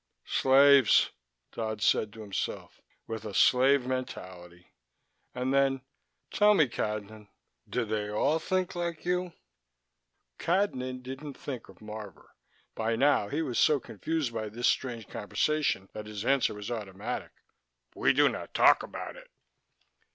"Slaves," Dodd said to himself. "With a slave mentality." And then: "Tell me, Cadnan, do they all think like you?" Cadnan didn't think of Marvor. By now he was so confused by this strange conversation that his answer was automatic. "We do not talk about it."